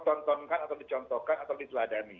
dikontohkan atau dicontohkan atau diteladani